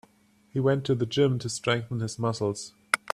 He went to gym to strengthen his muscles.